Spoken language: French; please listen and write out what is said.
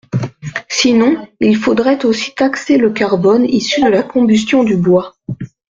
Sinon, il faudrait aussi taxer le carbone issu de la combustion du bois.